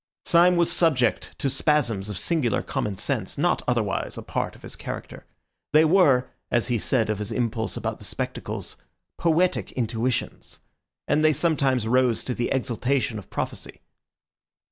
Syme was subject to spasms of singular common sense, not otherwise a part of his character. They were (as he said of his impulse about the spectacles) poetic intuitions, and they sometimes rose to the exaltation of prophecy.